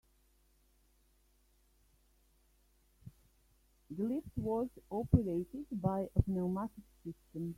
The lift was operated by a pneumatic system.